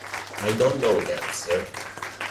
I don't know that, sir!